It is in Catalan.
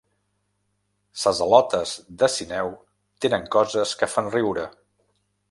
Ses al·lotes de Sineu tenen coses que fan riure.